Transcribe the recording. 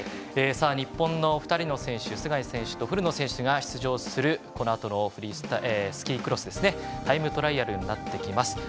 日本の２人の選手須貝選手と古野選手が出場するこのあとのスキークロスタイムトライアルになってきます。